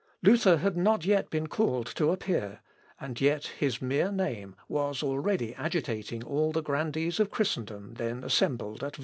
Luther had not yet been called to appear, and yet his mere name was already agitating all the grandees of Christendom then assembled at Worms.